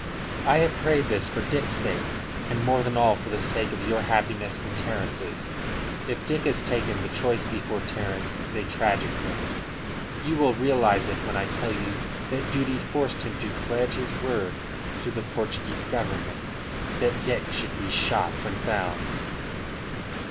"I have prayed this for Dick's sake, and more than all for the sake of your happiness and Terence's. If Dick is taken the choice before Terence is a tragic one. You will realise it when I tell you that duty forced him to pledge his word to the Portuguese Government that Dick should be shot when found."